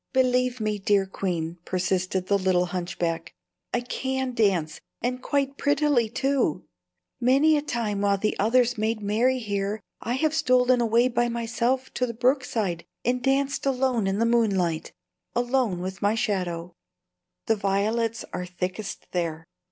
"Believe me, dear queen," persisted the little hunchback, "I can dance, and quite prettily, too. Many a time while the others made merry here I have stolen away by myself to the brookside and danced alone in the moonlight, alone with my shadow. The violets are thickest there.